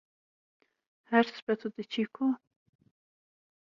Her sibe tu diçî ku?